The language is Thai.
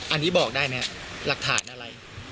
อันนี้บอกได้ไหมหลักฐานอะไร